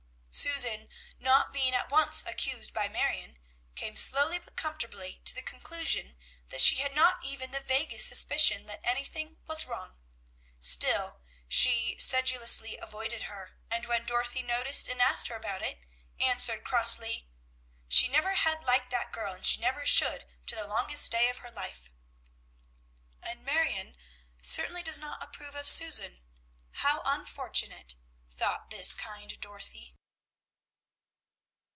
Susan, not being at once accused by Marion, came slowly but comfortably to the conclusion that she had not even the vaguest suspicion that anything was wrong; still, she sedulously avoided her, and when Dorothy noticed and asked her about it, answered crossly, "She never had liked that girl, and she never should to the longest day of her life." "And Marion certainly does not approve of Susan. How unfortunate!" thought this kind Dorothy.